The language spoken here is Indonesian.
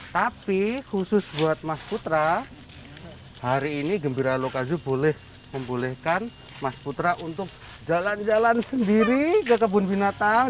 tapi khusus buat mas putra hari ini gembira lokasi membolehkan mas putra untuk jalan jalan sendiri ke kebun binatang